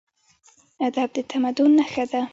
ادب د تمدن نښه ده.